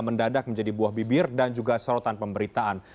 mendadak menjadi buah bibir dan juga sorotan pemberitaan